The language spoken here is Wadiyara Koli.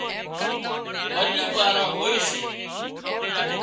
ٻني ٻارا هوئي سي